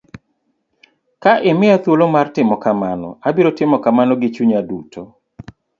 Ka imiya thuolo mar timo kamano, abiro timo kamano gi chunya duto.